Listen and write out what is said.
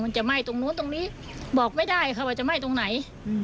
จะไหม้ตรงนู้นตรงนี้บอกไม่ได้ค่ะว่าจะไหม้ตรงไหน